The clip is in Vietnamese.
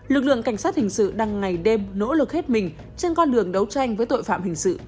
lực lượng cảnh sát hình sự đang ngày đêm nỗ lực hết mình trên con đường đấu tranh với tội phạm hình sự